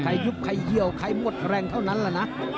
ยุบใครเยี่ยวใครหมดแรงเท่านั้นแหละนะ